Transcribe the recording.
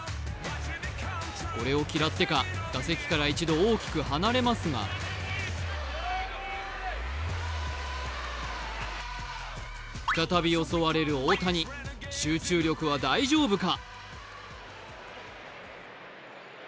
これを嫌ってか打席から一度大きく離れますが再び襲われる大谷、集中力は大丈夫か？